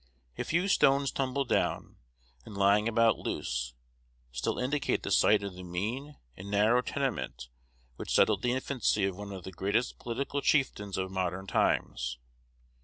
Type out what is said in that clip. A few stones tumbled down, and lying about loose, still indicate the site of the mean and narrow tenement which sheltered the infancy of one of the greatest political chieftains of modern times.